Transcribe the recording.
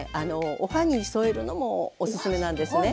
おはぎに添えるのもおすすめなんですね。